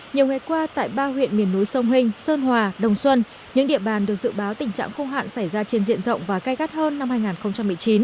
nhiều ngày qua tại ba huyện miền núi sông hình sơn hòa đồng xuân những địa bàn được dự báo tình trạng khô hạn xảy ra trên diện rộng và gai gắt hơn năm hai nghìn một mươi chín